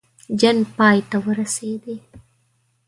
جنګ پای ته ورسېدی.